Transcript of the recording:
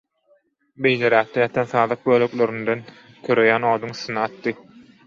Beýleräkde ýatan sazak böleklerinden köreýän oduň üstüne atdy.